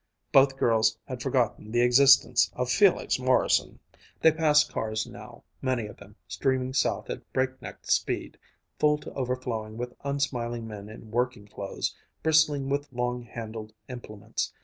Both girls had forgotten the existence of Felix Morrison. They passed cars now, many of them, streaming south at breakneck speed, full to overflowing with unsmiling men in working clothes, bristling with long handled implements.